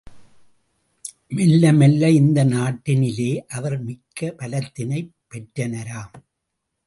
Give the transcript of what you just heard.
மெல்ல மெல்ல இந்த நாட்டினிலே அவர் மிக்க பலத்தினைப் பெற்றனராம்.